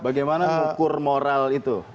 bagaimana ukur moral itu